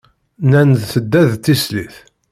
Nnan-d tedda d tislit.